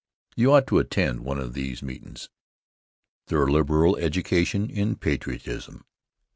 You ought to attend one of these meetin's. They're a liberal education in patriotism.